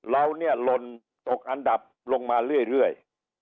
เราเนี่ยลนตกอันดับลงมาเรื่อย